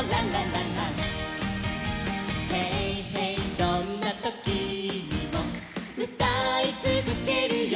どんなときにもうたいつづけるよ」